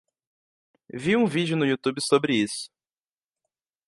Vi um vídeo no YouTube sobre isso